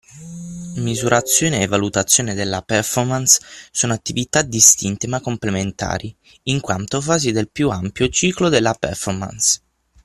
Misurazione e valutazione della performance sono attività distinte ma complementari, in quanto fasi del più ampio Ciclo della Performance.